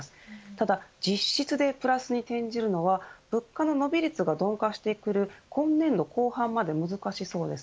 ただ実質でプラスに転じるのは物価の伸び率が鈍化してくる今年度後半まで難しそうです。